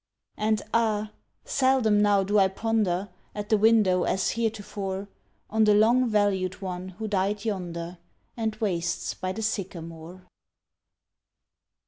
And ah, seldom now do I ponder At the window as heretofore On the long valued one who died yonder, And wastes by the sycamore.